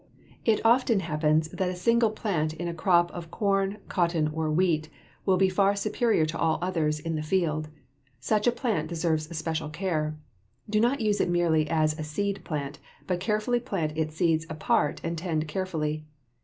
It often happens that a single plant in a crop of corn, cotton, or wheat will be far superior to all others in the field. Such a plant deserves special care. Do not use it merely as a seed plant, but carefully plant its seeds apart and tend carefully.